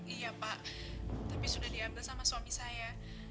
iya pak tapi sudah diambil sama suami saya